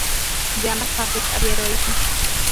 De ambas partes, había heroísmo.